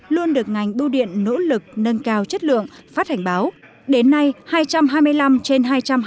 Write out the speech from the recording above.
luôn được ngành bưu điện nỗ lực nâng cao chất lượng phát hành báo đến nay hai trăm hai mươi năm trên hai trăm hai mươi